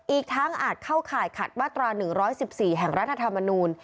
อีกทั้งอาจเข้าข่ายขัดมาตรา๑๑๔แห่งรัฐธรรมนูล